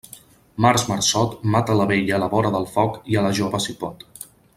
Març, marçot, mata la vella a la vora del foc i a la jove si pot.